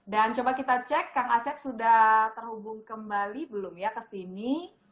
dan coba kita cek kang asep sudah terhubung kembali belum ya ke sini